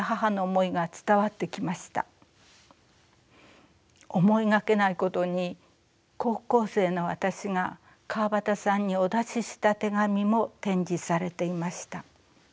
思いがけないことに高校生の私が川端さんにお出しした手紙も展示されていました。